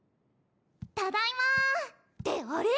ただいまってあれ？